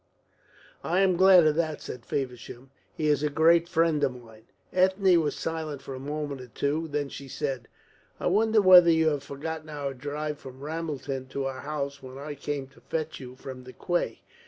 "I am glad of that," said Feversham. "He is a great friend of mine." Ethne was silent for a moment or two. Then she said: "I wonder whether you have forgotten our drive from Ramelton to our house when I came to fetch you from the quay?